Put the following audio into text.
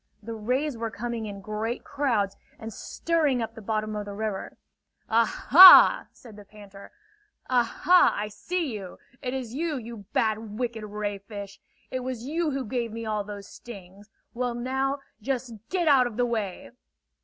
The rays were coming in great crowds and stirring up the bottom of the river. "Ah hah!" said the panther: "Ah hah! I see! It is you, you bad, wicked ray fish! It was you who gave me all those stings! Well now, just get out of the way!"